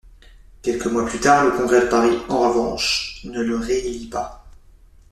Quelques mois plus tard, le congrès de Paris, en revanche, ne le réélit pas.